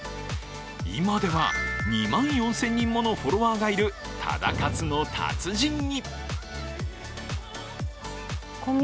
今では２万４０００人ものフォロワーがいるタダ活の達人に。